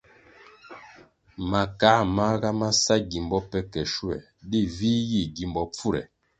Makā māga ma sa gimbo pe ke schuoē, di vih yih gimbo pfure.